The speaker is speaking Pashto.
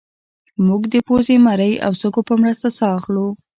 موږ د پوزې مرۍ او سږو په مرسته ساه اخلو